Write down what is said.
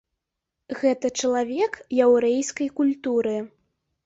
Гэта чалавек яўрэйскай культуры.